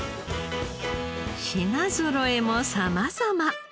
品ぞろえも様々。